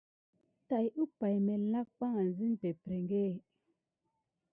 Tane umpay məlé naŋ zate peppreŋ tabas kisime siga.